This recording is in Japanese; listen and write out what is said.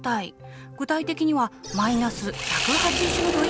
具体的にはマイナス１８０℃以下。